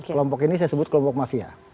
kelompok ini saya sebut kelompok mafia